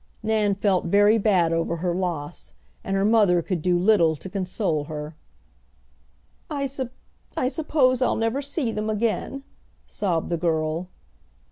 Nan felt very bad over her loss, and her mother could do little to console her. "I I sup suppose I'll never see them again," sobbed the girl.